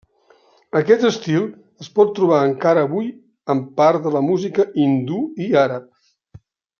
Aquest estil es pot trobar encara avui en part de la música hindú i àrab.